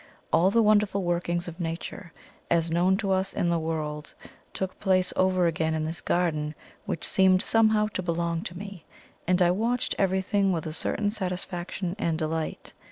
All the wonderful workings of Nature, as known to us in the world, took place over again in this garden, which seemed somehow to belong to me; and I watched everything with a certain satisfaction and delight.